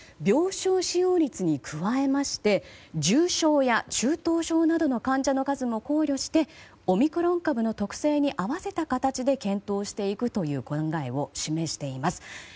病床使用率に加えまして重症や中等症などの患者の数も考慮してオミクロン株の特性に合わせた形で検討していくという考えを示しています。